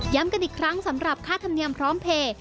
กันอีกครั้งสำหรับค่าธรรมเนียมพร้อมเพลย์